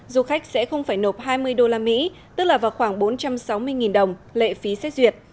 du khách sẽ không phải nộp hai mươi usd tức là vào khoảng bốn trăm sáu mươi đồng lệ phí xét duyệt